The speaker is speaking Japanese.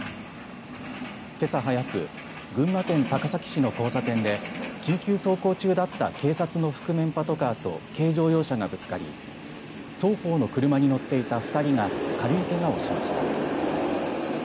けさ早く群馬県高崎市の交差点で緊急走行中だった警察の覆面パトカーと軽乗用車がぶつかり双方の車に乗っていた２人が軽いけがをしました。